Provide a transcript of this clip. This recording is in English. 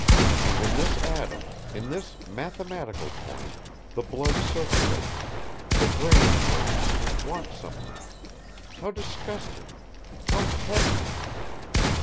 . And in this atom, in this mathematical point, the blood circulates, the brain works and wants something ... how disgusting! how petty!"